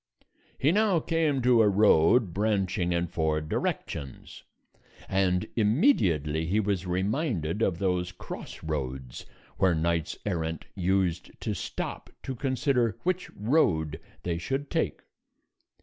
He now came to a road branching in four directions, and immediately he was reminded of those cross roads where knights errant used to stop to consider which road they should take.